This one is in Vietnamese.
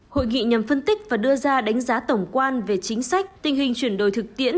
hội nghị nhằm phân tích và đưa ra đánh giá tổng quan về chính sách tình hình chuyển đổi thực tiễn